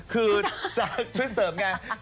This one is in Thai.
คือจะช่วยเสริมไง